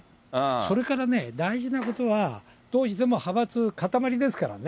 それからね、大事なことは、どうしても派閥、塊ですからね。